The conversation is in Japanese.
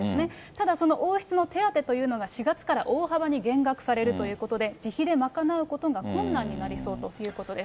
ただその王室の手当というのが、４月から大幅に減額されるということで、自費で賄うことが困難になりそうということです。